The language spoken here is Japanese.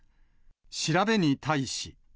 調べに対し。